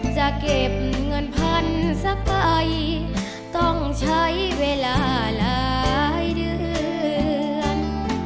จะเก็บเงินพันสักไปต้องใช้เวลาหลายเดือน